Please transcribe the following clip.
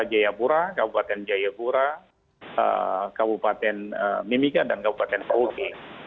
jaya pura kabupaten jaya pura kabupaten mimika dan kabupaten ruki